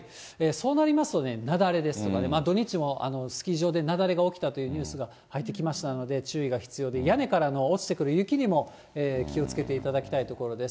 そうなりますとね、雪崩ですとかね、土日もスキー場で雪崩が起きたというニュースが入ってきましたので、注意が必要で、屋根からの落ちてくる雪にも気をつけていただきたいところです。